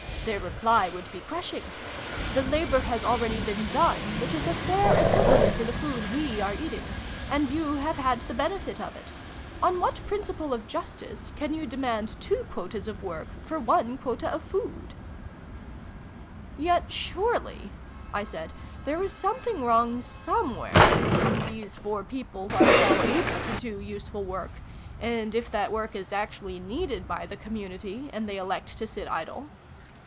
Their reply would be crushing. 'The labour has already been done, which is a fair equivalent for the food we are eating ; and you have had the benefit of it. On what principle of justice can you demand two quotas of work for one quota of food ?' in] STREAKS OF DAWN. 39 " Yet surely," I said, " there is something wrong somewhere, if these four people are well able to do useful work, and if that work is actually needed by the community, and they elect to sit idle